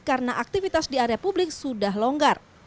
karena aktivitas di area publik sudah longgar